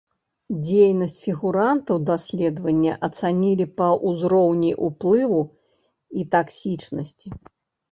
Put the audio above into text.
Дзейнасць фігурантаў даследавання ацанілі па ўзроўні ўплыву і таксічнасці.